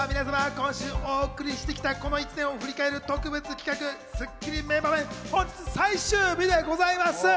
今週お送りして来たこの１年を振り返る特別企画『スッキリ』名場面本日最終日でございます。